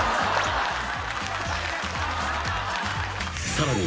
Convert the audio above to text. ［さらに］